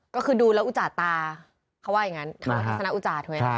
ก็คือดูแล้วอุจาตตาเขาว่าอย่างงั้นทัศนอุจาต